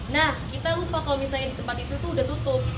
nah kita lupa kalau misalnya di tempat itu tuh udah tutup